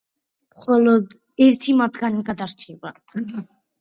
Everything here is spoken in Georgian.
მხოლოდ ერთი მათგანი გადარჩება.